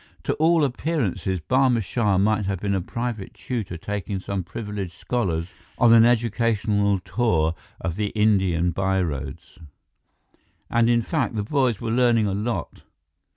To all appearances, Barma Shah might have been a private tutor taking some privileged scholars on an educational tour of the Indian byroads; and in fact, the boys were learning a lot.